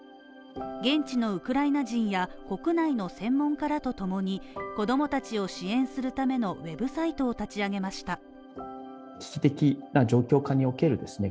現地のウクライナ人や国内の専門家らと共に子供たちを支援するためのウェブサイトを立ち上げました。